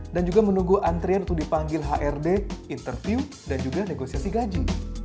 dan juga menunggu antrian untuk dipanggil hrd interview dan juga negosiasi gaji